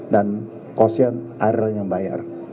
dan kos yang air lane yang bayar